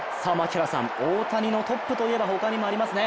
大谷のトップといえば他にもありますね。